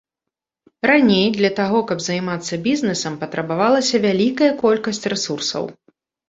Раней для таго, каб займацца бізнесам, патрабавалася вялікая колькасць рэсурсаў.